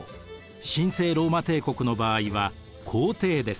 神聖ローマ帝国の場合は皇帝です。